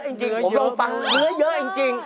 เนื้อเยอะจริงผมลองฟังเนื้อเยอะอย่างจริง